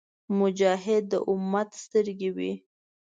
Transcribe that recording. مجاهد د امت سترګې وي.